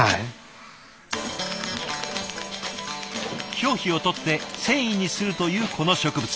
表皮を取って繊維にするというこの植物。